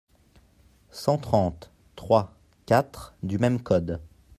cent trente-trois-quatre du même code ».